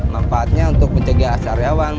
manfaatnya untuk mencegah saryawan